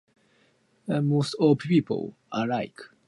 Most of the trail lies in Lake County.